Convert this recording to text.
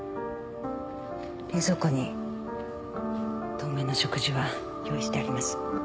冷蔵庫に当面の食事は用意してあります